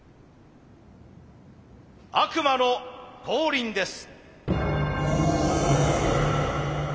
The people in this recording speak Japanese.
悪魔の降臨です。